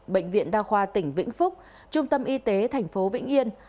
bệnh viện đa khoa tỉnh vĩnh phúc trung tâm y tế tp vĩnh yên